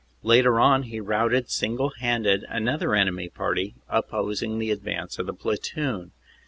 Later on he routed single handed another enemy party opposing the advance of the platoon.